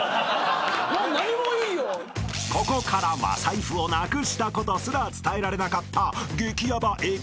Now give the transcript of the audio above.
［ここからは財布をなくしたことすら伝えられなかった］